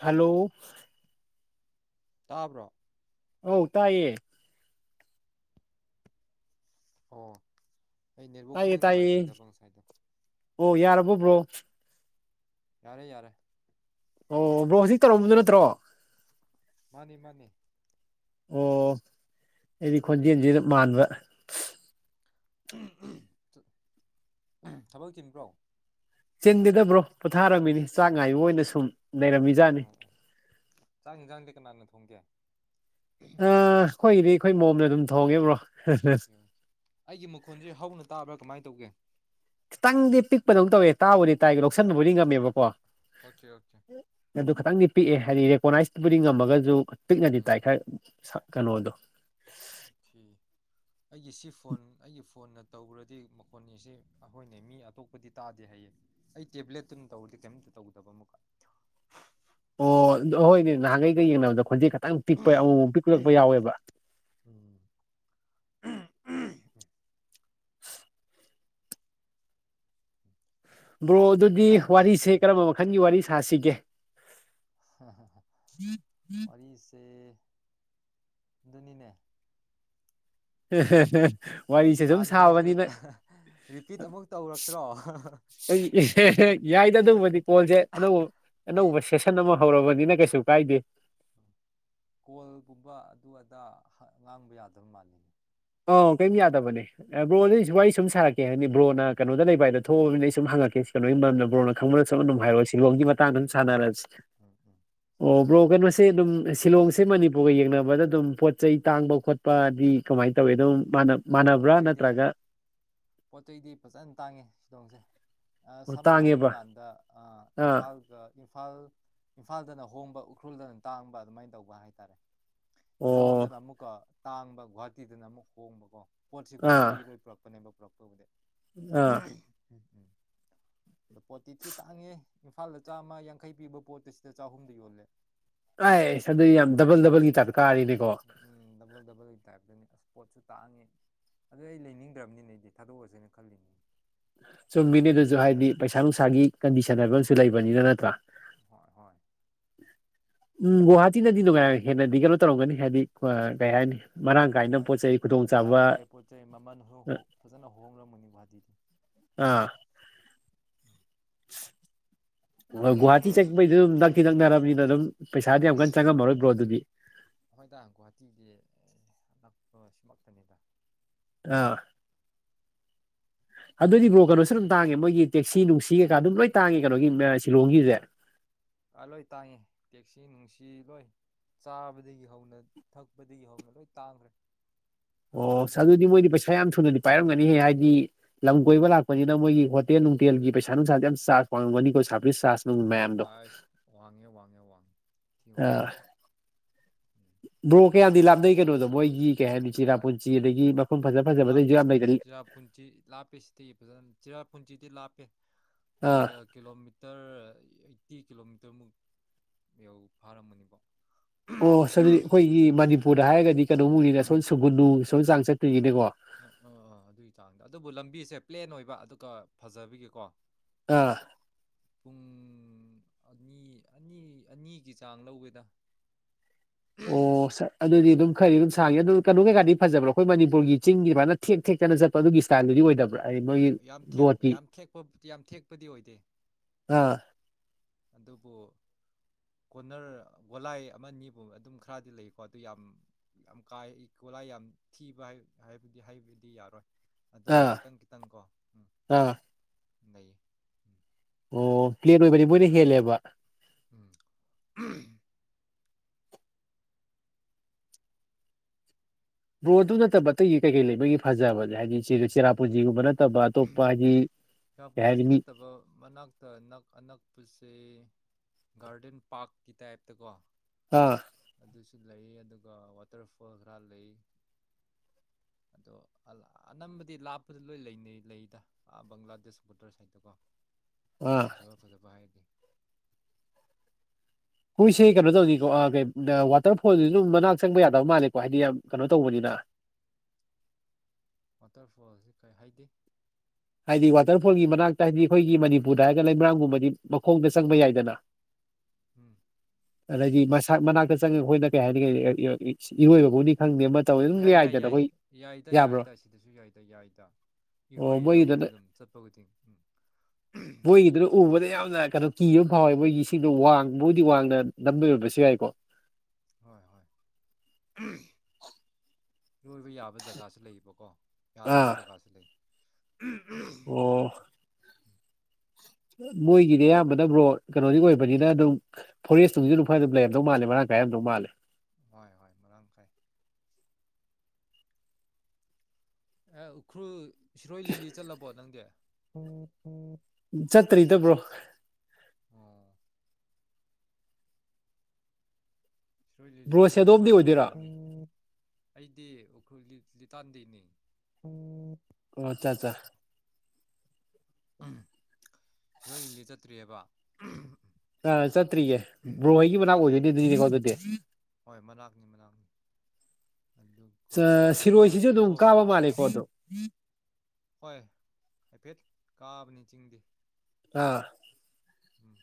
Hello ꯇꯥꯕ꯭ꯔꯣ ꯑꯧ ꯇꯥꯏꯌꯦ ꯑꯣ ꯑꯩ ꯅꯦꯠꯋꯥꯛ ꯇꯥꯏꯌꯦ ꯈꯤꯇꯪ ꯇꯥꯏꯌꯦ ꯅꯨꯡꯉꯥꯏꯈꯤꯗꯕ ꯉꯁꯥꯏꯗꯣ ꯑꯣ ꯌꯥꯔꯕꯣ ꯕ꯭ꯔꯣ ꯌꯥꯔꯦ ꯌꯥꯔꯦ ꯑꯣ ꯕ꯭ꯔꯣ ꯍꯧꯖꯤꯛ ꯇꯧꯔꯝꯕꯗꯧ ꯅꯠꯇ꯭ꯔꯣ ꯃꯥꯅꯤ ꯃꯥꯅꯦ ꯑꯣ ꯑꯩꯗꯤ ꯈꯣꯟꯖꯦꯜꯖꯤꯗ ꯃꯥꯟꯕ ꯊꯕꯛ ꯆꯤꯟꯕ꯭ꯔꯣ ꯆꯤꯟꯗꯦꯗ ꯕ꯭ꯔꯣ ꯄꯣꯊꯥꯔꯝꯃꯤꯅꯤ ꯆꯥꯛ ꯑꯥ ꯉꯥꯏꯕ ꯑꯣꯏꯅ ꯁꯨꯝ ꯂꯩꯔꯝꯃꯤꯖꯥꯠꯅꯤ ꯑꯥ ꯑꯥ ꯆꯥꯛ ꯍꯦꯟꯖꯥꯡꯗꯤ ꯀꯅꯥꯅ ꯊꯣꯡꯒꯦ ꯑ ꯈꯣꯏꯒꯤꯗꯤ ꯑꯩꯈꯣꯏ ꯃꯣꯝꯅ ꯑꯗꯨꯝ ꯊꯣꯡꯉꯦ ꯕ꯭ꯔꯣ ꯑꯣꯀꯦ ꯑꯩꯒꯤ ꯃꯈꯣꯟꯖꯦ ꯍꯧꯅ ꯇꯥꯕ꯭ꯔꯥ ꯀꯃꯥꯏ ꯇꯧꯒꯦ ꯈꯤꯇꯪꯗꯤ ꯄꯤꯛꯄꯗꯧ ꯇꯧꯋꯦ ꯇꯥꯕꯨꯗꯤ ꯇꯥꯏ ꯂꯧꯁꯟꯕꯕꯨꯗꯤ ꯉꯝꯃꯦꯕꯀꯣ ꯑꯣꯀꯦ ꯑꯣꯀꯦ ꯑꯗꯨ ꯈꯤꯇꯪꯗꯤ ꯄꯤꯛꯑꯦ ꯍꯥꯏꯗꯤ ꯔꯦꯀꯣꯅꯥꯏꯁꯕꯨꯨꯗꯤ ꯉꯝꯃꯒꯖꯨ ꯄꯤꯛꯅꯗꯤ ꯇꯥꯏ ꯎꯝ ꯈꯔ ꯀꯩꯅꯣꯗꯣ ꯊꯤ ꯑꯩꯒꯤ ꯁꯤ ꯐꯣꯟ ꯑꯩꯒꯤ ꯐꯣꯟꯅ ꯇꯧꯕ꯭ꯔꯗꯤ ꯃꯈꯣꯟꯅꯤꯁꯤ ꯑꯩꯈꯣꯏꯅꯦ ꯃꯤ ꯑꯇꯣꯞꯄꯗꯤ ꯇꯥꯗꯦ ꯍꯥꯏꯌꯦ ꯑꯩ ꯇꯦꯕ꯭ꯂꯦꯠꯇꯨꯅ ꯇꯧꯔꯗꯦ ꯀꯔꯤꯝꯇ ꯇꯧꯗꯕ ꯑꯃꯨꯛꯀ ꯑꯣ ꯑꯩꯍꯣꯏꯅꯦ ꯅꯍꯥꯟꯒꯩꯒ ꯌꯦꯡꯅꯕꯗ ꯈꯣꯟꯖꯦ ꯈꯇꯪ ꯄꯤꯛꯄ ꯑꯃꯨꯛ ꯃꯨꯛ ꯄꯛꯂꯛꯄ ꯌꯥꯎꯋꯦꯕ ꯎꯝ [inaudible] ꯕ꯭ꯔꯣ ꯑꯗꯨꯗꯤ ꯋꯥꯔꯤꯁꯦ ꯀꯔꯝꯕ ꯃꯈꯜꯒꯤ ꯋꯥꯔꯤ ꯁꯥꯁꯤꯒꯦ ꯋꯥꯔꯤꯁꯦ ꯑꯗꯨꯅꯤꯅꯦ ꯍꯦ ꯍꯦ ꯍꯦ ꯁꯥꯅꯤꯡꯉꯥꯏꯁꯨ ꯔꯤꯄꯤꯠ ꯑꯃꯨꯛ ꯇꯧꯔꯛꯁꯤꯔꯣ ꯑꯩ ꯌꯥꯏꯗ ꯑꯗꯨꯕꯗꯤ ꯀꯣꯜꯖꯦ ꯑꯅꯧꯕ ꯑꯅꯧꯕ ꯁꯦꯁꯟ ꯑꯃ ꯍꯧꯔꯕꯅꯤꯅ ꯀꯩꯁꯨ ꯀꯥꯏꯗꯦ ꯀꯣꯜꯒꯨꯝꯕ ꯑꯗꯨ ꯑꯗꯥ ꯉꯥꯡꯕ ꯌꯥꯗꯕ ꯃꯥꯜꯂꯤꯅꯦ ꯑꯣ ꯀꯩꯝ ꯌꯥꯗꯕꯅꯦ ꯕ꯭ꯔꯣꯗꯤ ꯎꯝ ꯋꯥꯔꯤ ꯁꯨꯝ ꯁꯥꯔꯛ ꯀꯩ ꯍꯥꯏꯅꯤ ꯕ꯭ꯔꯣꯅ ꯀꯩꯅꯣ ꯂꯩꯕꯗꯣ ꯊꯣꯛꯑꯅꯤ ꯑꯩ ꯁꯨꯝ ꯍꯪꯉꯛꯀꯦ ꯀꯣꯅꯣꯒꯤ ꯃꯔꯝꯗ ꯕ꯭ꯔꯣꯅ ꯈꯪꯕꯅ ꯆꯠ ꯍꯥꯏꯔꯣ ꯑꯗꯨꯝ ꯍꯥꯏꯔꯣ ꯍꯥꯏꯔꯛꯑꯣ ꯁꯤꯂꯣꯡꯒꯤ ꯃꯇꯥꯡꯗ ꯑꯗꯨꯝ ꯍꯥꯏꯔꯣ ꯁꯥꯟꯅꯔꯁꯤ ꯎꯝ ꯎꯝ ꯑꯣ ꯁꯥꯔꯁꯤ ꯕ꯭ꯔꯣ ꯁꯥꯔꯁꯤ ꯀꯩꯅꯣꯁꯦ ꯑꯗꯨꯝ ꯁꯤꯂꯣꯡꯁꯦ ꯃꯅꯤꯄꯨꯔꯒ ꯌꯦꯡꯅꯕꯗ ꯑꯗꯨꯝ ꯄꯣꯠ ꯆꯩ ꯇꯥꯡꯕ ꯈꯣꯠꯄꯗꯤ ꯀꯃꯥꯏꯅ ꯇꯧꯋꯤ ꯇꯥꯡꯉꯤ ꯑꯗꯨꯝ ꯄꯣꯠ ꯃꯥꯟꯅꯕ꯭ꯔꯥ ꯆꯩꯗꯤ ꯅꯠꯇ꯭ꯔꯒ ꯄꯣꯠ ꯆꯩꯗꯤ ꯐꯖꯅ ꯇꯥꯡꯉꯦ ꯁꯤꯗꯣꯡꯖꯦ ꯑ ꯑꯣ ꯁꯝꯅ ꯍꯥꯏꯕ ꯇꯥꯡꯉꯦꯕ ꯀꯥꯟꯗ ꯑꯥ ꯏꯝꯐꯥꯜꯒ ꯏꯝꯐꯥꯜ ꯏꯝꯐꯥꯜꯗꯅ ꯍꯣꯡꯕ ꯎꯈ꯭ꯔꯨꯜꯗꯅ ꯇꯥꯡꯕ ꯑꯗꯨꯃꯥꯏꯅ ꯇꯧꯕ ꯍꯥꯏꯇꯥꯔꯦ ꯑꯣ ꯁꯤꯂꯣꯡꯗꯅ ꯑꯃꯨꯛꯀ ꯇꯥꯡꯕ ꯒꯨꯍꯥꯇꯤꯗꯅ ꯑꯃꯨꯛ ꯍꯣꯡꯕꯀꯣ ꯄꯣꯠꯁꯤ ꯑꯥ ꯒꯨꯍꯥꯇꯤꯗꯒꯤ ꯂꯣꯏ ꯄꯨꯔꯛꯄꯅꯦꯕ ꯄꯨꯔꯛꯄꯕꯨꯗꯤ ꯑꯥ ꯎꯝ ꯎꯝ ꯑꯗꯣ ꯄꯣꯠꯇꯤ ꯊꯤ ꯇꯥꯡꯉꯦ ꯏꯝꯐꯥꯜꯗ ꯆꯥꯝꯃ ꯌꯥꯡꯈꯩ ꯄꯤꯕ ꯄꯣꯠꯇꯨ ꯁꯤꯗ ꯆꯥꯍꯨꯝꯗ ꯌꯣꯜꯂꯦ ꯑꯥꯏ ꯏꯁꯗ ꯌꯥꯝ ꯗꯕꯜ ꯗꯕꯜꯒꯤ ꯇꯥꯞꯇ ꯀꯥꯔꯦꯅꯦꯀꯣ ꯎꯝ ꯗꯕꯜ ꯗꯕꯜꯒꯤ ꯇꯥꯏꯞꯇꯅꯤ ꯑꯁ ꯄꯣꯠꯁꯨ ꯇꯥꯡꯉꯤ ꯑꯗꯨ ꯑꯩ ꯂꯩꯅꯤꯡꯗ꯭ꯔꯕꯅꯤꯅꯦ ꯑꯩꯗꯤ ꯊꯥꯗꯣꯛꯑꯁꯤꯅꯦ ꯈꯜꯂꯤꯅꯤ ꯆꯨꯝꯃꯤꯅꯤ ꯑꯗꯨꯁꯨ ꯍꯥꯏꯗꯤ ꯄꯩꯁꯥ ꯅꯨꯡꯁꯥꯒꯤ ꯎꯝ ꯀꯟꯗꯤꯁꯟ ꯍꯥꯏꯕ ꯑꯃꯁꯨ ꯂꯩꯕꯅꯤꯅ ꯅꯠꯇ꯭ꯔꯥ ꯍꯣꯏ ꯍꯣꯏ [inaudible] ꯎꯨꯝ ꯒꯧꯍꯥꯇꯤꯅꯗꯤ ꯅꯨꯡꯉꯥꯏ ꯍꯦꯟꯅꯗꯤ ꯀꯩꯅꯣ ꯇꯧꯔꯝꯒꯅꯤ ꯍꯥꯏꯗꯤ ꯀꯩ ꯍꯥꯏꯅꯤ ꯃꯔꯥꯡ ꯀꯥꯏꯅ ꯑꯣꯏ ꯄꯣꯠ ꯆꯩ ꯈꯨꯗꯣꯡꯆꯥꯥꯕ ꯃꯔꯥꯡ ꯀꯥꯏ ꯄꯣꯠ ꯆꯩꯩ ꯃꯃꯜꯍꯨꯍꯨ ꯐꯖꯅ ꯍꯣꯡꯂꯝꯒꯅꯤ ꯨꯒꯨꯍꯥꯇꯤꯗꯤ ꯑꯥ ꯎꯝ ꯍꯣꯏ ꯒꯨꯍꯥꯇꯤ ꯆꯠꯄꯩꯗ ꯑꯗꯨꯝ ꯅꯛꯇꯤ ꯅꯛꯅꯔꯕꯅꯤꯅ ꯑꯗꯨꯝ ꯄꯩꯁꯥꯗꯤ ꯌꯥꯝ ꯀꯟꯅ ꯆꯪꯉꯝꯃꯔꯣꯏ ꯕ꯭ꯔꯣ ꯑꯗꯨꯗꯤ ꯍꯣꯏꯗ ꯒꯨꯍꯥꯇꯤꯗꯤ ꯑ ꯅꯛꯄ ꯁꯤꯃꯛꯇꯅꯤꯗ ꯑꯥ ꯑꯗꯨꯑꯣꯏꯗꯤ ꯕ꯭ꯔꯣ ꯀꯩꯅꯣꯁꯨ ꯑꯗꯨꯝ ꯇꯥꯡꯉꯦ ꯃꯣꯏꯒꯤ ꯇꯦꯛꯁꯤ ꯅꯨꯡꯁꯤ ꯀꯩꯀꯥ ꯑꯗꯨꯝ ꯂꯣꯏ ꯇꯥꯡꯉꯦ ꯀꯩꯅꯣꯒꯤ ꯁꯤꯂꯣꯡꯒꯤꯁꯦ ꯑꯥ ꯂꯣꯏ ꯇꯥꯡꯉꯦ ꯇꯦꯛꯁꯤ ꯅꯨꯡꯁꯤ ꯂꯣꯏ ꯆꯥꯕꯗꯒꯤ ꯍꯧꯅ ꯊꯛꯄꯗꯒꯤ ꯍꯧꯅ ꯂꯣꯏ ꯇꯥꯡꯈ꯭ꯔꯦ ꯑꯣ ꯑꯗꯨꯗꯤ ꯃꯣꯏꯗꯤ ꯄꯩꯁꯥ ꯌꯥꯝ ꯊꯨꯅꯗꯤ ꯄꯥꯏꯔꯝꯒꯅꯤꯍꯦ ꯍꯥꯏꯗꯤ ꯂꯝ ꯀꯣꯏꯕ ꯂꯥꯛꯄꯅꯤꯅ ꯃꯣꯏꯒꯤ ꯍꯣꯇꯦꯜ ꯅꯨꯡꯇꯦꯜꯒꯤ ꯄꯩꯁꯥ ꯅꯨꯡꯁꯥꯗꯤ ꯌꯥꯝ ꯆꯥꯔꯖ ꯄꯥꯉꯝꯒꯅꯤꯀꯣ ꯁꯥ ꯑꯁ ꯋꯥꯉꯦ ꯋꯥꯡꯉꯦ ꯋꯥꯉꯦ ꯊꯤ ꯋꯥꯡ ꯑꯥ ꯕ꯭ꯔꯣ ꯀꯌꯥꯝꯗꯤ ꯂꯥꯞꯅꯩ ꯀꯩꯅꯣꯗꯣ ꯃꯣꯏꯒꯤ ꯀꯩ ꯍꯥꯏꯅꯤ ꯆꯤꯔꯥ ꯄꯨꯟꯁꯤ ꯑꯗꯒꯤ ꯐꯖ ꯐꯖꯕꯗꯩꯁꯨ ꯂꯥꯞꯄꯦ ꯌꯥꯝ ꯂꯩꯗꯅ ꯆꯤꯔꯥ ꯄꯨꯟꯆꯤ ꯂꯥꯞꯄꯦ ꯁꯤꯗꯒꯤ ꯐꯖꯅ ꯆꯤꯔꯥꯄ ꯄꯨꯟꯆꯤꯗꯤ ꯂꯥꯞꯄꯦ ꯑꯥ ꯀꯥ ꯀꯤꯂꯣꯃꯤꯇꯔ ꯑꯩꯠꯇꯤ ꯀꯤꯂꯣꯃꯤꯇꯔꯃꯨꯛ ꯌꯧ ꯐꯥꯔꯝꯃꯅꯤꯀꯣ ꯑꯣ ꯁ ꯑꯗꯨꯗꯤ ꯑꯩꯈꯣꯏꯒꯤ ꯃꯅꯤꯄꯨꯔꯗ ꯍꯥꯏꯔꯒꯗꯤ ꯀꯩꯅꯣꯃꯨꯛꯅꯤꯅ ꯁꯣꯝ ꯁꯨꯒꯨꯟꯅꯨ ꯁꯣꯝ ꯆꯥꯡ ꯆꯠꯇꯣꯏꯅꯤꯅꯦꯀꯣ ꯑ ꯑꯥ ꯑꯥ ꯑꯗꯨꯒꯤ ꯆꯥꯡꯗ ꯑꯗꯨꯕꯨ ꯂꯝꯕꯤꯁꯦ ꯄ꯭ꯂꯦꯟ ꯑꯣꯏꯕ ꯑꯗꯨꯒ ꯐꯖꯕꯤꯒꯤꯀꯣ ꯑꯥ ꯄꯨꯡ ꯑꯅꯤ ꯑꯅꯤ ꯑꯅꯤꯒꯤ ꯆꯥꯡ ꯂꯧꯒꯦꯗ [inaudible] ꯑꯣ ꯁꯠ ꯑꯗꯨꯗꯤ ꯑꯗꯨꯝ ꯈꯗꯤ ꯑꯗꯨꯝ ꯁꯥꯡꯉꯦ ꯑꯗꯨ ꯀꯩꯅꯣ ꯀꯩꯀꯥꯗꯤ ꯐꯖꯕ꯭ꯔꯥ ꯑꯩꯈꯣꯏ ꯃꯅꯤꯄꯨꯔꯒꯤ ꯆꯤꯡꯒꯤ ꯑꯗꯨꯃꯥꯏꯅ ꯊꯦꯛ ꯊꯦꯛꯇꯅ ꯆꯠꯄ ꯑꯗꯨꯒꯤ ꯁ꯭ꯇꯥꯏꯜꯗꯨꯗꯤ ꯑꯣꯏꯗꯕ ꯌꯥꯝ ꯊꯦꯛ ꯌꯥꯝ ꯊꯦꯛꯄ ꯌꯥꯝ ꯊꯦꯛꯄꯗꯤ ꯑꯣꯏꯗꯦ ꯑꯥ ꯑꯗꯨꯕꯨ ꯀꯣꯅꯔ ꯒꯣꯂꯥꯏ ꯑꯃꯅꯤꯒꯨꯝꯕ ꯑꯗꯨꯝ ꯈꯔꯗꯤ ꯂꯩꯀꯣ ꯑꯗꯨ ꯌꯥꯝ ꯌꯥꯝ ꯀꯥꯏ ꯒꯣꯠꯂꯥꯏ ꯌꯥꯝ ꯊꯤꯕ ꯍꯥꯏꯕꯗꯤ ꯍꯥꯏꯕꯗꯤ ꯌꯥꯔꯣꯏ ꯑꯗꯨꯝ ꯑꯥ ꯈꯤꯇꯪ ꯈꯤꯇꯪꯀꯣ ꯎꯝ ꯑꯥ ꯅꯩꯌꯦ ꯑꯣ ꯄ꯭ꯂꯦꯟ ꯑꯣꯏꯕꯗꯤ ꯃꯣꯏꯅ ꯍꯦꯜꯂꯦꯕ ꯎꯨꯝ ꯕ꯭ꯔꯣ ꯑꯗꯨ ꯅꯠꯇꯕ ꯑꯇꯩꯒꯤ ꯀꯩꯀꯩ ꯂꯩꯕꯒꯤ ꯐꯖꯕꯁꯦ ꯍꯥꯏꯗꯤ ꯆꯤ ꯆꯦꯔꯥꯄ ꯄꯨꯟꯖꯤꯒꯨꯝꯕ ꯅꯠꯇꯕ ꯑꯇꯣꯞꯄ ꯍꯥꯏꯗꯤ ꯀꯩ ꯍꯥꯏꯅꯤ ꯃꯤ ꯇꯕ ꯃꯅꯥꯛ ꯇ ꯑꯅꯛ ꯑꯅꯛꯄꯁꯦ ꯒꯥꯔꯗꯦꯟ ꯄꯥꯔꯛꯀꯤ ꯇꯥꯏꯞꯇꯀꯣ ꯑꯥ ꯑꯗꯨꯁꯨ ꯂꯩ ꯑꯗꯨꯒ ꯋꯥꯇꯔꯐꯣꯜ ꯈꯔꯥ ꯂꯩ ꯑꯗꯣ ꯑꯅꯝꯕꯗꯤ ꯂꯥꯞꯄꯗ ꯂꯣꯏ ꯂꯩꯅꯩ ꯂꯩꯗ ꯑꯥ ꯕꯪꯒ꯭ꯂꯥꯗꯦꯁ ꯕꯣꯔꯗꯔ ꯁꯥꯏꯠꯇꯀꯣ ꯑꯥ ꯐꯖꯕ ꯐꯖꯕ ꯍꯥꯏꯔꯗꯤ ꯍꯨꯏꯁꯦ ꯀꯩꯅꯣ ꯇꯧꯅꯤꯀꯣ ꯀꯩ ꯋꯥꯇꯔꯐꯣꯜꯗꯨꯁꯨ ꯑꯗꯨꯝ ꯃꯅꯥꯛ ꯆꯪꯕ ꯌꯥꯗꯕ ꯃꯥꯜꯂꯦꯀꯣ ꯍꯥꯏꯗꯤ ꯌꯥꯝ ꯀꯩꯅꯣ ꯇꯧꯕꯅꯤꯅ ꯋꯥꯇꯔꯐꯣꯜꯁꯤ ꯀꯔꯤ ꯍꯥꯏꯗꯤ ꯍꯥꯏꯗꯤ ꯋꯥꯇꯔꯐꯣꯜꯒꯤ ꯃꯅꯥꯛꯇ ꯍꯥꯏꯗꯤ ꯑꯩꯈꯣꯏꯒꯤ ꯃꯅꯤꯄꯨꯔꯗ ꯍꯥꯏꯔꯒ ꯂꯩꯃꯔꯥꯡꯒꯨꯝꯕꯗꯤ ꯃꯈꯣꯡꯗ ꯆꯪꯕ ꯌꯥꯏꯗꯅ ꯎꯝ ꯑꯗꯒꯤ ꯃꯁ ꯃꯅꯥꯛꯇ ꯆꯪꯉꯦ ꯑꯩꯈꯣꯏꯅ ꯀꯩ ꯍꯥꯏꯅꯤ ꯏꯔꯣꯏꯕꯕꯨꯅꯤ ꯈꯪꯗꯦ ꯑꯃ ꯇꯧꯋꯤ ꯌꯥꯏ ꯌꯥꯏ ꯌꯥꯏ ꯌꯥꯏꯗ ꯌꯥꯏꯗ ꯁꯤꯗꯤ ꯑꯗꯨꯁꯨ ꯌꯥꯏꯗ ꯌꯥꯏꯗ ꯑꯣ ꯏꯔꯣꯏꯗ ꯃꯣꯏꯒꯤꯗꯨꯅ ꯑꯩꯈꯣꯏꯗꯤ ꯑꯗꯨꯝ ꯆꯠꯄ ꯈꯨꯗꯤꯡ ꯎꯝ ꯃꯣꯏꯒꯤꯗꯨꯅ ꯎꯕꯗ ꯌꯥꯝꯅ ꯀꯩꯅꯣ ꯀꯤꯕ ꯐꯥꯎꯋꯦ ꯃꯣꯏꯒꯤꯁꯤꯡꯗꯣ ꯋꯥꯡꯕꯨꯗꯤ ꯋꯥꯡꯅ [unintelligible] ꯌꯥꯏꯀꯣ ꯍꯣꯏ ꯍꯣꯏ ꯑ [inaudible] ꯏꯔꯣꯏꯕ ꯌꯥꯕ ꯖꯒꯥꯁꯨ ꯂꯩꯌꯦꯕꯀꯣ ꯌꯥꯗꯕ ꯑꯥ ꯖꯒꯥꯁꯨ ꯂꯩ ꯑꯣ ꯎꯝ [inaudible] ꯃꯣꯏꯒꯤꯗꯤ ꯑꯌꯥꯝꯕꯅ ꯕ꯭ꯔꯣ ꯀꯩꯅꯣꯗꯤ ꯑꯣꯏꯕꯅꯤꯅ ꯑꯗꯨꯝ ꯐꯣꯔꯦꯁꯒꯨꯝꯕꯁꯨ ꯑꯗꯨꯝ ꯈꯔ ꯂꯩꯔꯝꯗꯧ ꯃꯥꯜꯂꯦ ꯃꯔꯥꯡ ꯀꯥꯏꯔꯝꯗꯧ ꯃꯥꯂꯦ ꯍꯣꯏ ꯍꯣꯏ ꯃꯔꯥꯡ ꯀꯥꯢ ꯑꯦ ꯎꯈ꯭ꯔꯨꯜ ꯁꯤꯔꯣꯏ ꯂꯤꯂꯤ ꯆꯠꯂꯕꯣ ꯅꯪꯗꯤ ꯆꯠꯇ꯭ꯔꯤꯗ ꯕ꯭ꯔꯣ ꯑꯣ ꯁꯔꯣꯏ ꯂꯤꯂꯤꯁꯤ ꯕ꯭ꯔꯣꯁꯦ ꯑꯗꯣꯝꯗꯤ ꯅꯨꯡꯉꯥꯏꯒꯗꯧꯕ ꯑꯣꯏꯗꯣꯏꯔꯣ ꯃꯥꯥꯟꯂꯤ ꯑꯩꯗꯤ ꯎꯈ꯭ꯔꯨꯜ ꯂꯤꯇꯥꯟꯗꯩꯅꯤ ꯑꯣ ꯑꯆꯥꯠꯆꯥ ꯁꯤꯔꯣꯏ ꯂꯤꯂꯤ ꯆꯠꯇ꯭ꯔꯤꯑꯦꯕ ꯑ ꯆꯠꯇ꯭ꯔꯤꯌꯦ ꯕ꯭ꯔꯣ ꯍꯣꯢꯒꯤ ꯃꯅꯥꯛ ꯑꯣꯏꯗꯣꯏꯅꯦ ꯑꯗꯨꯗꯤꯒꯣ ꯎꯝ ꯑꯗꯨꯗꯤ ꯍꯣꯏ ꯃꯅꯥꯛꯅꯤ ꯃꯅꯥꯛꯅꯤ ꯑꯗꯨꯒ ꯖꯨꯀꯣ ꯖꯨꯀꯣ ꯀꯥꯕ ꯒꯣ ꯑꯗꯨꯝ ꯍꯣꯏ ꯍꯥꯏꯐꯦꯠ ꯀꯥꯕꯅꯤ ꯆꯤꯡꯗꯤ ꯑꯥ ꯎꯝ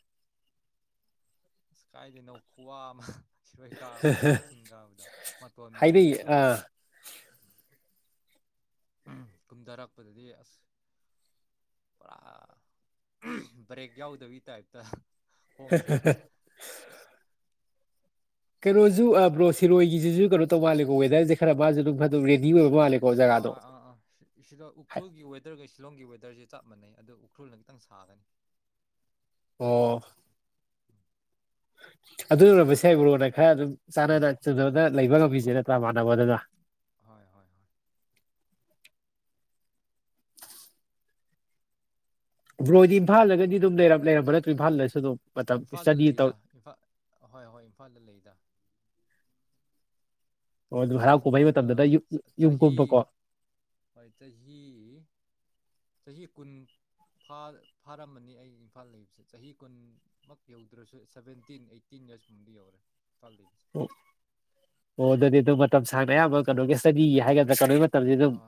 ꯑꯁ ꯀꯥꯏꯗꯩꯅꯣ ꯈꯨꯋꯥ ꯑꯃ ꯁꯤꯔꯣꯏ ꯀꯥꯕꯗꯣ ꯆꯤꯡ ꯀꯥꯕꯗꯣ ꯃꯥꯇꯣꯟ ꯍꯥꯏꯅꯩꯌꯦ ꯌꯧꯔꯨꯕꯗꯣ ꯑꯥ ꯀꯨꯝꯗꯥꯔꯛꯄꯗꯗꯤ ꯑꯁ ꯄꯨꯔꯥ ꯕ꯭ꯔꯦꯛ ꯌꯥꯎꯗꯕꯩ ꯇꯥꯞꯇ ꯍ [unintelligible] ꯀꯩꯅꯣꯁꯨ ꯕ꯭ꯔꯣ ꯁꯤꯔꯣꯏꯒꯤꯁꯤꯁꯨ ꯀꯩꯅꯣ ꯇꯧ ꯃꯥꯜꯂꯦꯀꯣ ꯋꯦꯗ꯭ꯔꯁꯦ ꯈꯔ ꯃꯥꯁꯨ ꯑꯗꯨꯝ ꯑꯗꯨꯝ ꯔꯦꯗꯤ ꯑꯣꯏꯕ ꯃꯥꯜꯂꯦꯀꯣ ꯑꯥ ꯖꯒꯥꯗꯣ ꯑꯥ ꯑꯥ ꯁꯤꯗ ꯍꯥꯏ ꯎꯈ꯭ꯔꯨꯜ ꯋꯦꯗ꯭ꯔꯒ ꯁꯤꯂꯣꯡꯒꯤ ꯋꯦꯗ꯭ꯔꯁꯦ ꯆꯞ ꯃꯅꯩ ꯑꯗ ꯎꯈ꯭ꯔꯨꯜꯅ ꯈꯤꯇꯪ ꯁꯥꯒꯅꯤ ꯑꯣ ꯑꯗꯨ ꯑꯣꯏꯔꯝꯕꯁꯨ ꯌꯥꯢ ꯕ꯭ꯔꯣꯅ ꯈꯔ ꯑꯗꯨꯝ ꯎꯝ ꯆꯥꯟꯅꯅ ꯆꯨꯝꯅꯅ ꯂꯩꯕ ꯉꯝꯃꯤꯁꯦ ꯅꯠꯇ꯭ꯔ ꯃꯥꯟꯅꯕꯗꯨꯅ ꯍꯣꯏ ꯍꯣꯏ ꯍꯣꯏ ꯕ꯭ꯔꯣꯗꯤ ꯏꯝꯐꯥꯜꯗꯒꯗꯤ ꯑꯗꯨꯝ ꯂꯩꯔ ꯂꯩꯔꯝꯕ ꯅꯠꯇ꯭ꯔꯣ ꯏꯝꯐꯥꯜꯗꯁꯨ ꯑꯗꯨꯝ ꯃꯇꯝ ꯏꯝꯐꯥꯜꯗ ꯏꯁꯇꯗꯤ ꯇꯧ ꯂꯩꯗ ꯏꯝꯐꯥꯜ ꯍꯣꯏ ꯍꯣꯏ ꯏꯝꯐꯥꯜꯗ ꯂꯩꯗ ꯑꯣ ꯑꯗꯨꯝ ꯍꯔꯥꯎ ꯑꯩ ꯀꯨꯝꯍꯩ ꯏꯝꯐꯥꯜꯗ ꯃꯇꯝꯗꯅ ꯌꯨꯝ ꯌꯨꯝ ꯆꯍꯤ ꯀꯨꯝꯕꯀꯣ ꯍꯣꯏ ꯆꯍꯤ ꯆꯍꯤ ꯀꯨꯟ ꯐꯥꯔꯝꯃꯥꯅꯤ ꯑꯩ ꯏꯝꯐꯥꯜ ꯂꯩꯕꯁꯦ ꯆꯍꯤ ꯀꯨꯟ ꯃꯥꯛ ꯌꯧꯗ꯭ꯔꯁꯨ ꯁꯚꯦꯟꯇꯤꯟ ꯑꯩꯠꯇꯤꯟ ꯌꯥꯔꯁ ꯒꯨꯝꯕꯗꯤ ꯌꯧꯔꯦ ꯢꯝꯐꯥꯜꯗ ꯂꯩꯕꯁꯦ ꯑꯣ ꯑꯣ ꯑꯗꯨꯗꯤ ꯑꯗꯨꯝ ꯃꯇꯝ ꯁꯥꯡꯅ ꯑꯌꯥꯝꯕ ꯀꯩꯅꯣꯒꯤ ꯁꯇꯗꯤꯒꯤ ꯍꯥꯏꯒꯗ꯭ꯔꯥ ꯀꯩꯅꯣ ꯑ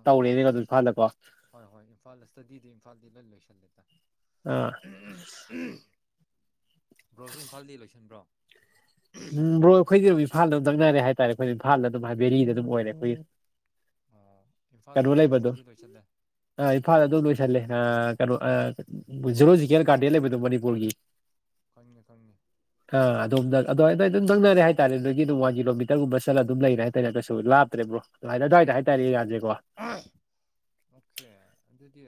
ꯍꯣꯏ ꯍꯣꯏ ꯏꯝꯐꯥꯜꯗ ꯏꯁꯇꯗꯤꯗ ꯏꯝꯐꯥꯜꯗꯤ ꯂꯣꯏ ꯂꯣꯏꯁꯜꯂꯦꯗꯅ ꯑꯥ ꯕ꯭ꯔꯣꯖꯤ ꯏꯝꯐꯥꯜꯗꯤ ꯂꯣꯏꯁꯤꯟꯕ꯭ꯔꯣ ꯎꯝ ꯕ꯭ꯔꯣ ꯑꯩꯈꯣꯏꯗꯤ ꯑꯗꯨꯝ ꯏꯝꯐꯥꯜ ꯑꯗꯨꯝ ꯅꯛꯅꯔꯦ ꯍꯥꯏꯇꯥꯔꯦ ꯑꯩꯈꯣꯏ ꯏꯝꯐꯥꯜ ꯑꯗꯨꯝ ꯍꯥꯏ ꯕꯦꯔꯤꯗ ꯑꯗꯨꯝ ꯑꯣꯏꯔꯦ ꯑꯩꯈꯣꯏꯒꯤ ꯑꯥ ꯏꯝꯐꯥꯜꯗ ꯑꯗꯨꯝ ꯁꯇꯗꯤ ꯂꯣꯏꯁꯜꯂꯦ ꯑ ꯏꯝꯐꯥꯜ ꯑꯗꯨꯝ ꯂꯣꯏꯁꯜꯂꯦ ꯑꯥ ꯀꯩꯅꯣ ꯑꯥ ꯖꯨꯃꯣꯖꯤꯀꯦꯜ ꯒꯥꯔꯗꯦꯟ ꯂꯩꯕꯗꯣ ꯃꯅꯤꯄꯨꯔꯒꯤ ꯈꯪꯉꯦ ꯈꯪꯉꯦ ꯑ ꯑꯗꯣꯝꯗ ꯑꯗ ꯑꯗ ꯑꯗꯨꯝ ꯅꯛꯅꯔꯦ ꯍꯥꯏꯇꯥꯔꯦ ꯑꯗꯒꯤ ꯑꯗꯨꯝ ꯋꯥꯟ ꯀꯤꯂꯣꯃꯤꯇꯔꯒꯨꯝꯕ ꯆꯠꯂ ꯑꯗꯨꯝ ꯂꯩꯔꯦ ꯍꯥꯏꯇꯥꯔꯦ ꯀꯩꯁꯨ ꯂꯥꯞꯇ꯭ꯔꯦ ꯕ꯭ꯔꯣ ꯑꯗꯨꯋꯥꯏꯗ ꯍꯥꯏꯇꯥꯔꯦ ꯑꯦꯔꯤꯋꯥꯖꯦꯀꯣ ꯑꯣꯈꯦ ꯑꯗꯨꯗꯤ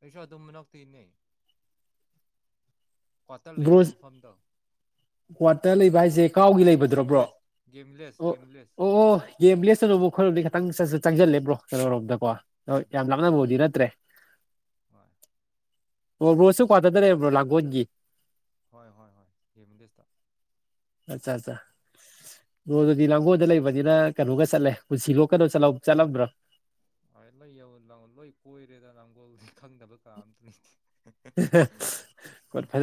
ꯑꯩꯁꯨ ꯑꯗꯨꯝ ꯃꯅꯥꯛꯇꯩꯅꯦ ꯀ꯭ꯋꯥꯇꯔ ꯂꯩꯕ ꯃꯐꯝꯗꯣ ꯋꯥ꯭ꯠꯇ ꯂꯩꯕ ꯍꯥꯏꯖꯦ ꯀꯥꯎꯒꯤ ꯂꯩꯕꯗꯨꯔꯣ ꯕ꯭ꯔꯣ ꯒꯦꯝꯂꯦꯁ ꯒꯦꯝꯂꯦꯁ ꯑꯣ ꯒꯦꯝꯂꯦꯁ ꯑꯣ ꯑꯣ ꯒꯦꯝ ꯚꯤꯖꯦꯜꯅ ꯑꯃꯨꯛ ꯑꯩꯈꯣꯢꯔꯣꯝꯗꯩ ꯈꯤꯇꯪ ꯆꯪꯖꯜꯂꯦ ꯕ꯭ꯔꯣ ꯀꯩꯅꯣꯔꯣꯝꯗꯀꯣ ꯍꯣꯢ ꯎꯝ ꯌꯥꯝ ꯎꯝ ꯂꯥꯞꯅꯕꯕꯨꯗꯤ ꯅꯠꯇ꯭ꯔꯦ ꯍꯣꯏ ꯑꯣ ꯕ꯭ꯔꯣꯁꯨ ꯀꯋꯥꯇꯔꯗ ꯂꯩꯕ꯭ꯔꯣ ꯂꯥꯡꯒꯣꯟꯒꯤ ꯍꯣꯏ ꯍꯣꯏ ꯍꯣꯢ ꯒꯦꯝꯕꯤꯖꯦꯖꯇ ꯑꯆꯥ ꯑꯠꯆꯥ ꯕ꯭ꯔꯣ ꯑꯗꯨꯗꯤ ꯂꯥꯡꯒꯣꯜꯗ ꯂꯩꯕꯅꯤꯅ ꯀꯩꯅꯣꯒ ꯆꯠꯂꯦ ꯄꯨꯟꯁꯤ ꯂꯣꯛ ꯀꯩꯅꯣ ꯆꯠꯂꯝꯕ꯭ꯔꯣ ꯍꯣꯏ ꯂꯣꯏ ꯌꯧ ꯂꯣꯏ ꯀꯣꯏꯔꯦꯗ ꯂꯥꯡꯒꯣꯜꯗꯤ ꯈꯪꯗꯕ ꯀꯥ ꯑꯝꯇ ꯂꯩꯇꯦ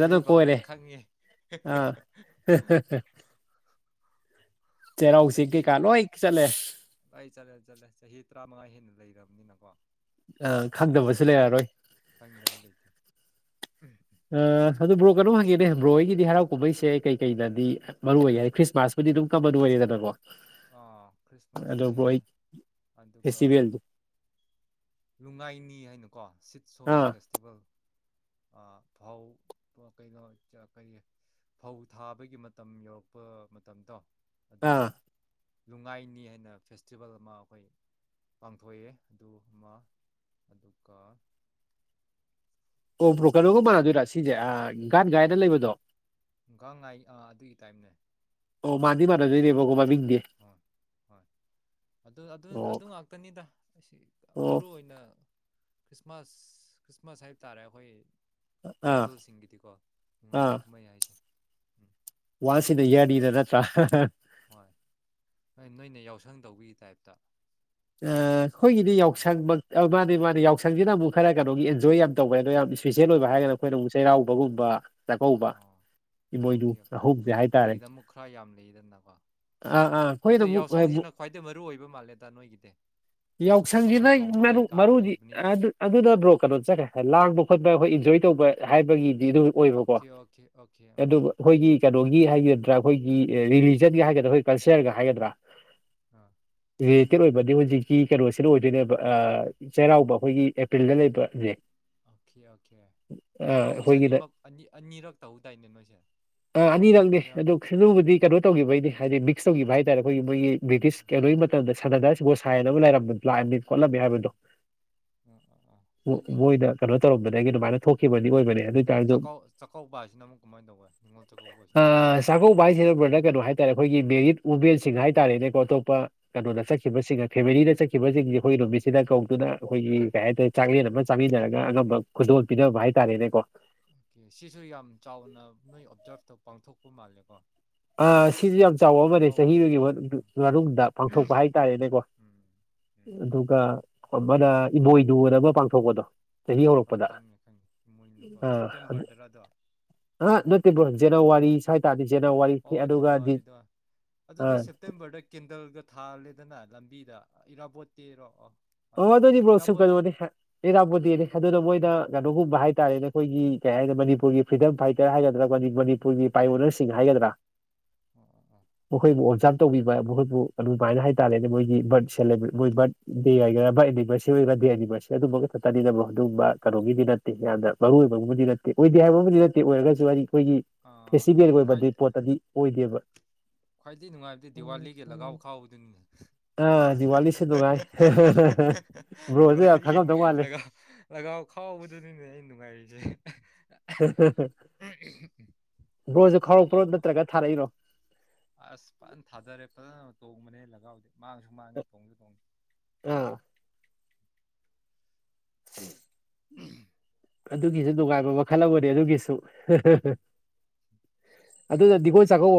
ꯍꯨꯏ ꯚꯥꯎ ꯂꯣꯏ ꯀꯣꯏꯔꯦ ꯈꯪꯉꯦ ꯑꯥ [unintelligible] ꯆꯦꯔꯥꯎ ꯑꯩꯈꯣꯏ ꯆꯤꯡ ꯀꯩ ꯀꯥ ꯂꯣꯢ ꯆꯠꯂꯦ ꯂꯣꯢ ꯆꯠꯂꯦ ꯆꯠꯂꯦ ꯆꯍꯤ ꯇꯔꯥꯃꯉꯥ ꯍꯦꯟꯅ ꯂꯩꯔꯕꯅꯤꯅꯀꯣ ꯑ ꯂꯣꯏ ꯈꯪꯗꯕꯁꯨ ꯈꯪꯉꯦꯗ ꯂꯩꯔꯔꯣꯏ ꯈꯪꯗꯕ ꯂꯩꯇꯦ ꯑ ꯑꯗꯨ ꯕ꯭ꯔꯣ ꯀꯩꯅꯣꯝ ꯍꯪꯒꯦꯅꯦ ꯕ꯭ꯔꯣ ꯍꯣꯢꯒꯤꯗꯤ ꯍꯔꯥꯎ ꯀꯨꯝꯍꯩꯁꯦ ꯀꯩ ꯀꯩ ꯅꯗꯤ ꯃꯔꯨ ꯑꯣꯏꯒꯦ ꯈ꯭ꯔꯤꯁꯃꯥꯁꯄꯨꯗꯤ ꯑꯗꯨꯝ ꯀꯃꯟ ꯑꯣꯏꯔꯦꯗꯅꯀꯣ ꯑꯥ ꯑꯗꯣ ꯈ꯭ꯔꯤꯁꯃꯥꯁꯅꯦ ꯕ꯭ꯔꯣ ꯑꯩ ꯑꯗꯨꯒ ꯐꯦꯁꯇꯤꯚꯦꯜꯗꯤ ꯅꯨꯡꯉꯥꯏꯅꯤ ꯍꯥꯏꯅꯀꯣ ꯁꯤꯠ ꯁꯣꯚꯤꯡ ꯑꯥ ꯐꯦꯁꯇꯤꯚꯦꯜ ꯑ ꯐꯧ ꯀꯩꯅꯣ ꯀꯔꯤ ꯐꯧ ꯊꯥꯕꯒꯤ ꯃꯇꯝ ꯌꯧꯔꯛꯄ ꯃꯇꯝꯗꯣ ꯑꯥ ꯑꯗꯨꯗ ꯂꯨꯉꯥꯏꯅꯤ ꯍꯥꯏꯅ ꯐꯦꯁꯇꯤꯚꯦꯜ ꯑꯃ ꯑꯩꯈꯣꯏ ꯄꯥꯡꯊꯣꯛꯑꯦ ꯑꯗꯨ ꯑꯃ ꯑꯗꯨꯒ ꯑꯣ ꯕ꯭ꯔꯣ ꯑꯗꯨ ꯑꯃ ꯀꯩꯅꯣꯒ ꯃꯥꯟꯅꯗꯣꯏꯔꯥ ꯁꯤꯖꯦ ꯑ ꯒꯥꯟ ꯒꯥꯏꯅ ꯂꯩꯕꯗꯣ ꯒꯥꯡ ꯉꯥꯏ ꯑꯥ ꯑꯗꯨꯒꯤ ꯇꯥꯏꯝꯅꯦ ꯑꯣ ꯃꯥꯟꯗꯤ ꯎꯝ ꯃꯥꯟꯅꯗꯣꯏꯅꯦꯕꯀꯣ ꯃꯥꯃꯤꯡꯗꯤ꯫ ꯍꯣꯏ ꯍꯣꯏ ꯑꯗꯨ ꯑꯗꯨ ꯑꯣ ꯑꯗꯨ ꯉꯥꯛꯇꯅꯤꯗ ꯑꯁꯤ ꯑꯣ ꯃꯔꯨ ꯑꯣꯏꯅ ꯈ꯭ꯔꯤꯁꯃꯥꯁ ꯈ꯭ꯔꯤꯁꯃꯥꯁ ꯍꯥꯏꯕ ꯇꯥꯔꯦ ꯑꯩꯈꯣꯏ ꯑꯥ ꯇ꯭ꯔꯥꯏꯕꯜꯁꯤꯡꯒꯤꯗꯤꯀꯣ ꯅꯨꯡꯉꯥꯏꯕ ꯑꯥ ꯀꯨꯝꯍꯩ ꯍꯥꯏꯁꯦ ꯎꯝ ꯋꯥꯟꯁ ꯢꯟꯗ ꯌꯔꯅꯤꯗ ꯅꯠꯇ꯭ꯔꯥ ꯍꯣꯏ ꯍꯣꯏ ꯅꯣꯏꯅ ꯌꯥꯎꯁꯪ ꯇꯧꯕꯤꯒꯤ ꯇꯥꯏꯞꯇ ꯑ ꯑꯩꯈꯣꯏꯒꯤꯗꯤ ꯑꯥ ꯌꯥꯎꯁꯪ ꯃꯛ ꯃꯥꯅꯦ ꯃꯥꯅꯦ ꯌꯥꯎꯁꯪꯁꯤꯅ ꯑꯃꯨꯛ ꯈꯔ ꯀꯩꯅꯣꯒꯤ ꯑꯦꯟꯖꯣꯏ ꯌꯥꯝ ꯇꯧꯕ ꯑꯗꯣ ꯎꯝ ꯌꯥꯝ ꯏꯁꯄꯤꯁꯦꯜ ꯑꯣꯏꯕ ꯍꯥꯏꯔꯒꯅ ꯍꯣꯏ ꯑꯩꯈꯣꯏꯅ ꯑꯃꯨꯛ ꯆꯩꯔꯥꯎꯕꯒꯨꯝꯕ ꯆꯥꯛꯀꯧꯕ ꯑꯥ ꯏꯃꯣꯏꯅꯨ ꯑꯣꯀꯦ ꯑꯣꯀꯦ ꯑꯍꯨꯝꯁꯦ ꯍꯥꯏꯇꯥꯔꯦ ꯅꯣꯏꯒꯤꯗ ꯑꯃꯨꯛ ꯈꯔ ꯌꯥꯝ ꯂꯩꯗꯅꯀꯣ ꯑꯥ ꯑꯥ ꯑꯩꯈꯣꯢꯅ ꯑꯗꯣ ꯑꯃꯨꯛ ꯌꯥꯎꯁꯪꯁꯤꯅ [unintelligible] ꯈ꯭ꯋꯥꯏꯗꯩ ꯃꯔꯨ ꯑꯣꯏꯕ ꯃꯥꯜꯂꯦꯗ ꯅꯣꯏꯒꯤꯗꯤ ꯌꯥꯎꯁꯪꯁꯤ ꯊꯥꯕꯜ ꯅ ꯆꯣꯡꯕ ꯃꯔꯨ ꯀꯩꯀꯥ ꯃꯔꯨꯗꯤ ꯂꯩꯕꯅꯤꯅ ꯑꯗꯨꯅ ꯎꯝ ꯕ꯭ꯔꯣ ꯀꯩꯅꯣ ꯆꯠꯈ꯭ꯔꯦ ꯂꯥꯡꯕ ꯈꯣꯠꯄ ꯑꯩꯈꯣꯏ ꯏꯟꯖꯣꯏ ꯇꯧꯕ ꯍꯥꯏꯕꯒꯤꯗꯤ ꯑꯗꯨꯝ ꯑꯣꯏꯕꯀꯣ ꯑꯣꯀꯦ ꯑꯣꯀꯦ ꯑꯣꯀꯦ ꯎꯝ ꯑꯗꯨꯒ ꯎꯝ ꯑꯩꯈꯣꯏꯒꯤ ꯀꯩꯅꯣꯒꯤ ꯍꯥꯏꯒꯗ꯭ꯔꯥ ꯑꯩꯈꯣꯏꯒꯤ ꯔꯤꯂꯤꯖꯟꯒꯤ ꯍꯥꯏꯒꯗ꯭ꯔꯥ ꯑꯩꯈꯣꯏ ꯀꯜꯆꯔꯒ ꯍꯥꯏꯒꯗ꯭ꯔꯥ ꯑꯥ [unintelligible] ꯇꯦꯠ ꯑꯣꯏꯕꯗꯤ ꯍꯧꯖꯤꯛꯀꯤ ꯀꯩꯅꯣꯁꯤꯗ ꯑꯣꯏꯗꯣꯏꯅꯦꯕ ꯆꯩꯔꯥꯎꯕ ꯑꯩꯈꯣꯏꯒꯤ ꯑꯦꯄ꯭ꯔꯤꯜꯗ ꯂꯩꯕꯖꯦ ꯑꯣꯀꯦ ꯑꯣꯀꯦ ꯁꯔꯥꯎꯕꯁꯦ ꯑꯅꯤꯃꯛ ꯑꯅꯤ ꯑꯅꯤꯔꯛ ꯇꯧꯗꯥꯏꯅꯦ ꯅꯣꯏꯁꯦ ꯑ ꯑꯅꯤꯔꯛꯅꯤ ꯆꯩꯔꯥꯎ ꯑꯗꯨ ꯑꯗꯨꯒꯤꯕꯨꯗꯤ ꯎꯝ ꯀꯩꯅꯣ ꯇꯧꯈꯤꯕꯩꯅꯤ ꯍꯥꯏꯗꯤ ꯃꯤꯛꯁ ꯇꯧꯈꯤꯕ ꯍꯥꯏꯇꯥꯔꯦ ꯑꯩꯈꯣꯏꯒꯤ ꯃꯣꯏꯒꯤ ꯕ꯭ꯔꯤꯇꯤꯁ ꯎꯝ ꯀꯩꯅꯣꯒꯤ ꯃꯇꯝꯗ ꯁꯅꯥꯗꯥꯁ ꯒꯣꯁꯥꯏ ꯍꯥꯏꯅ ꯑꯃ ꯂꯩꯔꯝꯕꯗꯣ ꯂꯥꯛꯑꯝꯃꯤ ꯈꯣꯠꯂꯝꯃꯤ ꯎꯝ ꯍꯥꯏꯕꯗꯣ ꯎꯝ ꯎꯝ ꯎꯝ ꯃꯣꯏꯗ ꯀꯩꯅꯣ ꯇꯧꯔꯝꯕꯗꯒꯤ ꯑꯗꯨꯃꯥꯏꯅ ꯊꯣꯛꯈꯤꯕꯗꯤ ꯑꯣꯢꯕ ꯑꯗꯨ ꯆꯥꯛꯀꯧꯕ ꯍꯥꯏꯁꯤꯅ ꯑꯃꯨꯛ ꯀꯃꯥꯏꯅ ꯇꯧꯕ ꯅꯤꯡꯉꯣꯜ ꯆꯥꯛꯀꯧꯕ ꯍꯥꯏꯁꯤꯅ ꯑ ꯆꯥꯛꯀꯧꯕ ꯍꯥꯏꯁꯤꯅ ꯕ꯭ꯔꯣ ꯀꯩꯅꯣ ꯍꯥꯏꯇꯥꯔꯦ ꯑꯩꯈꯣꯏꯒꯤ ꯃꯦꯔꯤꯠ ꯋꯨꯃꯦꯟꯁꯤꯡ ꯍꯥꯏꯇꯥꯥꯔꯦꯅꯦꯀꯣ ꯑꯇꯣꯞꯄ ꯀꯩꯅꯣ ꯍꯣꯏ ꯆꯠꯈꯤꯕꯁꯤꯡ ꯐꯦꯃꯤꯂꯤꯅ ꯆꯠꯈꯤꯕꯁꯤꯡꯁꯦ ꯑꯩꯈꯣꯏꯒꯤ ꯅꯨꯃꯤꯠꯁꯤꯗ ꯀꯧꯗꯨꯅ ꯑꯩꯈꯣꯏꯒꯤ ꯀꯩ ꯍꯥꯏꯇꯥꯔꯦ ꯆꯥꯛꯂꯦꯟ ꯑꯃ ꯑꯣꯀꯦ ꯆꯥꯃꯤꯟꯅꯔꯒ ꯑꯉꯝꯕ ꯈꯨꯗꯣꯜ ꯄꯤꯅꯕ ꯍꯥꯏꯇꯥꯔꯦꯅꯦꯀꯣ ꯑꯣꯀꯦ ꯁꯤꯁꯨ ꯌꯥꯝ ꯆꯥꯎꯅ ꯅꯣꯏ ꯑꯣꯞꯖꯥꯞꯇ ꯄꯥꯡꯊꯣꯛꯄ ꯃꯥꯜꯂꯦꯀꯣ ꯑ ꯁꯤꯁꯨ ꯌꯥꯝ ꯆꯥꯎꯕ ꯑꯃꯅꯦ ꯆꯍꯤ ꯆꯥꯛꯀꯧꯕꯁꯨ ꯑꯃꯒꯤ ꯎꯝ ꯃꯅꯨꯡꯗ ꯄꯥꯡꯊꯣꯛꯄ ꯍꯥꯏꯇꯥꯔꯦꯅꯦꯀꯣ ꯎꯝ ꯎꯝ ꯑꯗꯨꯒ ꯑꯃꯅ ꯏꯃꯣꯏꯅꯨ ꯑꯃ ꯄꯥꯡꯊꯣꯛꯄꯗꯣ ꯆꯍꯤ ꯍꯣꯏ ꯍꯧꯔꯛꯄꯗ ꯈꯪꯉꯦ ꯈꯪꯉꯦ ꯏꯃꯣꯏꯅꯨꯀꯣ ꯁꯦꯞꯇꯦꯝꯕ꯭ꯔꯗ꯭ꯔꯗꯣ ꯑ ꯅꯠꯇꯦꯕ꯭ꯔꯣ ꯖꯅꯋꯥꯔꯤ ꯁꯨꯋꯥꯢ ꯇꯥꯅꯤ ꯖꯅꯋꯥꯔꯤ ꯑꯣ ꯑꯗꯨꯒ ꯗꯤ ꯖꯅꯋꯥꯔꯤꯗꯣ ꯑꯗꯨꯗꯤ ꯑ ꯁꯦꯞꯇꯦꯝꯕ꯭ꯔꯗ ꯀꯦꯟꯗꯜꯒ ꯊꯥꯜꯂꯦꯗꯅ ꯂꯝꯕꯤꯗ ꯏꯔꯥꯕꯣꯠꯇꯦꯔꯣ ꯑꯣ ꯑꯣ ꯑꯗꯨꯗꯤ ꯁꯨꯨꯝ ꯏꯔꯥꯕꯣꯠꯇꯤ ꯀꯩꯅꯣꯅꯦ ꯑꯦꯔꯥꯄꯣꯗꯦꯅꯤ ꯑꯗꯨꯅ ꯃꯣꯏꯅ ꯀꯩꯅꯣꯒꯨꯝꯕ ꯍꯥꯏꯇꯥꯔꯦꯅꯦ ꯑꯩꯈꯣꯏꯒꯤ ꯀꯩ ꯍꯥꯏꯅꯤ ꯃꯅꯤꯄꯨꯔꯒꯤ ꯐ꯭ꯔꯤꯗꯝ ꯐꯥꯏꯇ꯭ꯔ ꯍꯥꯏꯒꯗ꯭ꯔꯥ ꯃꯅꯤꯄꯨꯔꯒꯤ ꯎꯝ ꯄꯥꯏꯌꯅ꯭ꯔꯁꯤꯡ ꯍꯥꯏꯒꯗ꯭ꯔꯥ ꯑꯣ ꯑꯣ ꯃꯈꯣꯏꯕꯨ ꯑꯣꯞꯖꯥꯕ ꯇꯧꯕꯤꯕ ꯃꯈꯣꯏꯕꯨ ꯑꯗꯨꯃꯥꯏꯅ ꯍꯥꯏꯇꯥꯔꯦꯅꯦ ꯃꯣꯏꯒꯤ ꯕꯥꯠ [unintelligible] [unintelligible] [unintelligible] [unintelligible] ꯑꯣ ꯑꯗꯨꯒꯨꯝꯕ ꯅꯠꯇꯦ ꯕ꯭ꯔꯣ ꯑꯗꯨꯒꯨꯝꯕ ꯀꯩꯅꯣꯒꯤꯗꯤ ꯅꯠꯇꯦ ꯌꯥꯝꯅ ꯃꯔꯨ ꯑꯣꯏꯕꯕꯨꯗꯤ ꯅꯠꯇꯦ ꯑꯣꯏꯗꯦ ꯍꯥꯏꯕꯕꯨꯗꯤ ꯅꯠꯇꯦ ꯑꯣꯏꯔꯒꯁꯨ ꯑꯩꯈꯣꯏꯒꯤ ꯑꯥ ꯐꯦꯁꯇꯤꯕꯦꯜ ꯈ꯭ꯋꯥꯏ ꯑꯣꯏꯕꯗꯤ ꯄꯣꯠꯇꯗꯤ ꯑꯣꯏꯗꯦꯕ ꯈ꯭ꯋꯥꯏꯗꯒꯤ ꯅꯨꯡꯉꯥꯏꯕꯗꯤ ꯗꯤꯋꯥꯂꯤꯒꯤ ꯂꯒꯥꯎ ꯈꯥꯎꯕꯗꯨꯅꯤꯅꯦ ꯑꯥ ꯗꯤꯋꯥꯂꯤꯁꯨ ꯅꯨꯡꯉꯥꯏ ꯕ꯭ꯔꯣꯁꯨ ꯌꯥꯝ ꯗꯤꯋꯥꯂꯤꯒꯤ ꯈꯪꯉꯝꯗꯧ ꯃꯥꯜꯂꯦ ꯂꯀꯥꯎ ꯂꯒꯥꯎ ꯈꯥꯎꯕꯗꯨꯅꯤꯅꯦ ꯑꯩ ꯅꯨꯡꯉꯥꯏꯔꯤꯁꯦ ꯕ꯭ꯔꯣꯁꯨ ꯑꯁ ꯂꯒꯥꯎ ꯈꯥꯎꯔꯛꯄ꯭ꯔꯣ ꯑꯃ ꯅꯠꯇ꯭ꯔꯒ ꯊꯥꯔꯛꯏꯔꯣ ꯑꯁ ꯐꯖꯅ ꯊꯥꯗꯔꯦ ꯐꯖꯅ ꯇꯣꯡꯕꯅꯦ ꯂꯒꯥꯎꯗꯤ ꯃꯥꯡꯁꯨ ꯃꯥꯡꯉꯤ ꯇꯣꯡꯁꯨ ꯇꯣꯡꯉꯦ ꯑꯥ ꯎꯝ [inaudible] ꯎꯝ [inaudible] ꯑꯗꯨꯒꯤꯁꯨ ꯅꯨꯡꯉꯥꯏꯕ ꯃꯈꯜ ꯑꯃꯅꯤ ꯑꯗꯨꯒꯤꯁꯨ ꯑꯗꯨꯅ ꯅꯤꯡꯉꯣꯟ ꯆꯥꯛꯒꯥꯎꯕ